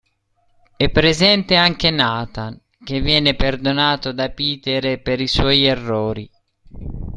È presente anche Nathan, che viene perdonato da Peter per i suoi errori.